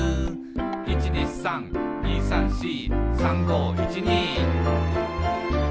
「１２３２３４」「３５１２」